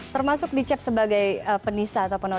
termasuk dicep sebagai penisa atau penodak